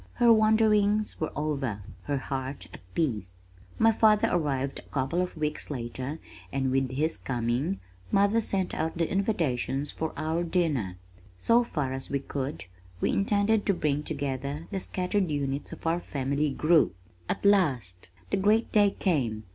Her wanderings were over, her heart at peace. My father arrived a couple of weeks later, and with his coming, mother sent out the invitations for our dinner. So far as we could, we intended to bring together the scattered units of our family group. At last the great day came!